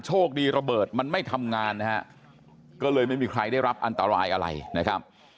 โชคดีระเบิดมันไม่ทำงานนะฮะก็เลยไม่มีใครได้รับอันตรายอะไรนะครับ